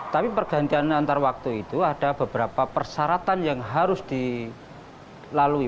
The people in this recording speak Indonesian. tapi pergantian antar waktu itu ada beberapa persyaratan yang harus dilalui